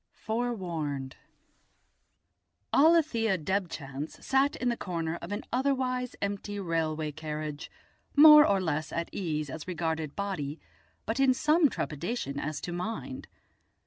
FOREWARNED Alethia Debchance sat in a corner of an otherwise empty railway carriage, more or less at ease as regarded body, but in some trepidation as to mind.